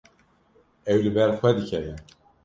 Ew li ber xwe dikeve.